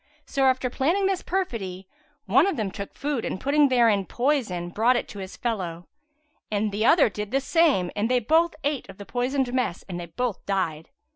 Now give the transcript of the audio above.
So after planning this perfidy, one of them took food and putting therein poison, brought it to his fellow; the other did the same and they both ate of the poisoned mess and they both died.